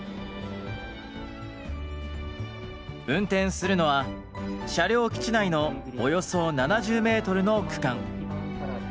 運転するのは車両基地内のおよそ７０メートルの区間。